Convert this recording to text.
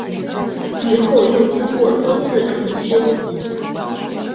以后又经过多次重修。